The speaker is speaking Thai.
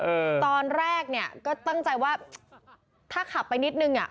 ตอนแรกเนี้ยก็ตั้งใจว่าถ้าขับไปนิดนึงอ่ะ